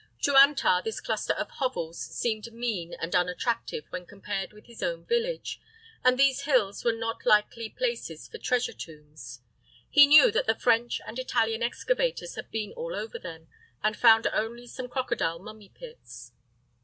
To Antar this cluster of hovels seemed mean and unattractive when compared with his own village, and these hills were not likely places for treasure tombs. He knew that the French and Italian excavators had been all over them, and found only some crocodile mummy pits.